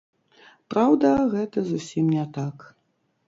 Праўда, гэта зусім не так.